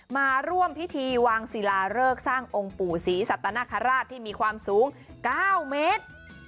มาร่วมพิธีวางศิลาเริกสร้างองค์ปู่ศรีสัตนคราชที่มีความสูง๙เมตร